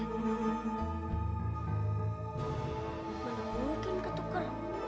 mana mungkin ketuker